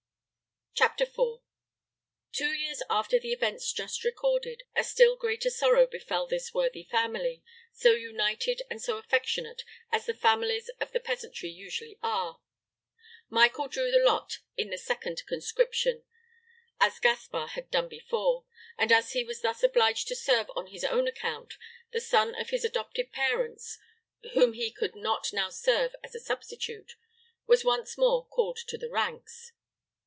CHAPTER IV. Two years after the events just recorded, a still greater sorrow befell this worthy family, so united and so affectionate, as the families of the peasantry usually are. Michael drew the lot in a second conscription, as Gaspar had done before; and as he was thus obliged to serve on his own account, the son of his adopted parents, whom he could not now serve as a substitute, was once more called to the ranks.